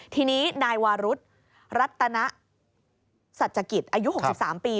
ทีนี้นายวารุธรัตนสัจกิจอายุ๖๓ปี